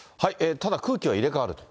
ただ、空気は入れ代わると。